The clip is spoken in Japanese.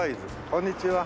こんにちは。